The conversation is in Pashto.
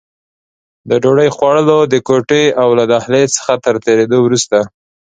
د ډوډۍ خوړلو د کوټې او له دهلېز څخه تر تېرېدو وروسته.